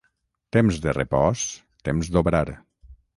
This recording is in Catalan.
Temps de repòs, temps d'obrar.